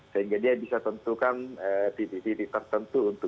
sehingga dia bisa tentukan titik titik tertentu